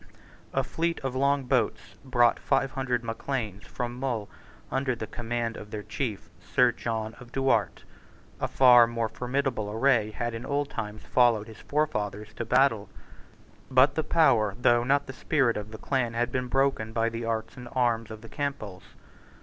A fleet of long boats brought five hundred Macleans from Mull under the command of their chief, Sir John of Duart. A far more formidable array had in old times followed his forefathers to battle. But the power, though not the spirit, of the clan had been broken by the arts and arms of the Campbells.